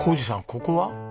ここは？